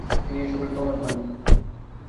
তিনি এসবের প্রমাণ পান নি।